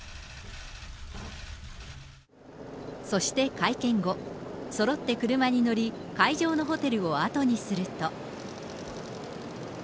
そして会見後、そろって車に乗り、会場のホテルを後にすると。